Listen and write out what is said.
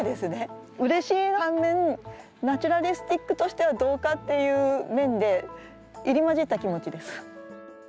うれしい反面ナチュラリスティックとしてはどうかっていう面で入り交じった気持ちです。